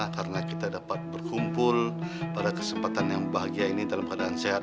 karena kita dapat berkumpul pada kesempatan yang bahagia ini dalam keadaan sehat